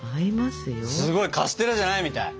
すごいカステラじゃないみたい。